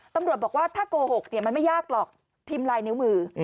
ตำรวจบอกว่าถ้าโกหกมันไม่ยากหรอกพิมพ์ลายนิ้วมือ